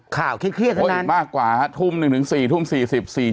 ค่าวเครียดนั้นนะครับโหอีกมากกว่าฮะทุ่ม๑ถึง๔ถึง๔ชั่วโมง